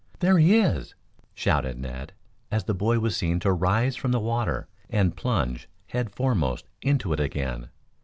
"There he is," shouted Ned, as the boy was seen to rise from the water and plunge head foremost into it again.